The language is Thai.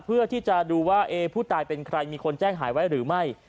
เพื่อที่จะดูว่าผู้ตายเป็นใครมีคนแจ้งหายไว้หรือไม่